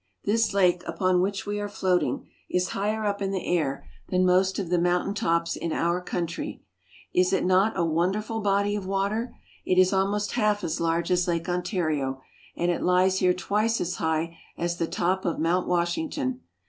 This lake upon which we are floating is higher up in the air than most of the mountain tops in our country. Is it not a wonderful body of water ? It is almost half as large as Lake Ontario, and it lies here twice as high as the top of Mount Washington.